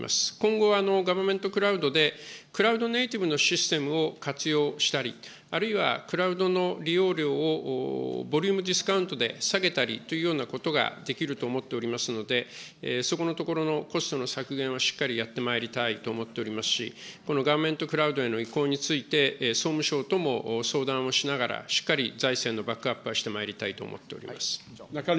今後、ガバメントクラウドで、クラウドネイティブのシステムを活用したり、あるいは、クラウドの利用料をボリュームディスカウントで下げたりというようなことができると思っておりますので、そこのところのコストの削減をしっかりやってまいりたいと思っておりますし、このガバメントクラウドへの移行について、総務省とも相談をしながら、しっかり財政のバックアップはしてまいりたいと思っております。